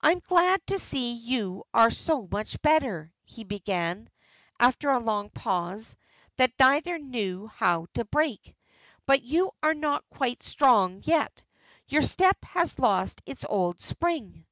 "I am glad to see you are so much better," he began, after a long pause, that neither knew how to break. "But you are not quite strong yet; your step has lost its old spring."